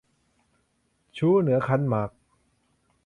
ชู้เหนือขันหมาก